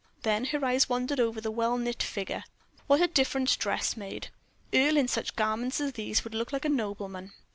Then her eyes wandered over the well knit figure. What a difference dress made. Earle, in such garments as these, would look like a nobleman.